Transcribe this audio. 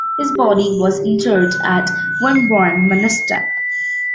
His body was interred at Wimborne Minster.